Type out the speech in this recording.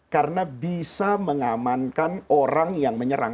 karena bisa mengamankan orang yang menyerang